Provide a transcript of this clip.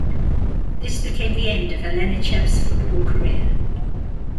This became the end of Alenichev's football career.